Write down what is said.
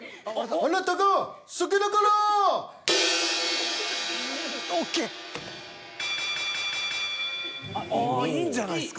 ああいいんじゃないすか。